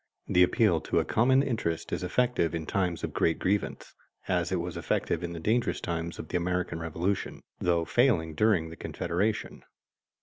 The appeal to a common interest is effective in times of great grievance, as it was effective in the dangerous times of the American Revolution, though failing during the Confederation.